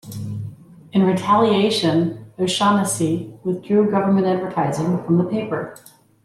In retaliation, O'Shanassy withdrew government advertising from the paper.